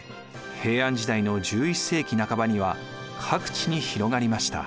平安時代の１１世紀半ばには各地に広がりました。